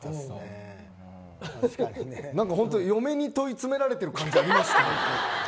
本当に嫁に問い詰められている感じありました。